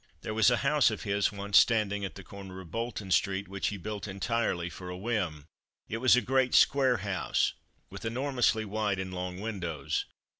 There was a house of his once standing at the corner of Bolton street, which he built entirely for a whim. It was a great square house, with enormously wide and long windows.